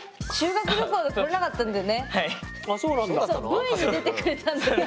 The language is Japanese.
Ｖに出てくれたんだけど。